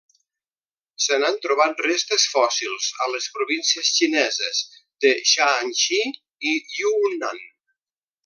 Se n'han trobat restes fòssils a les províncies xineses de Shaanxi i Yunnan.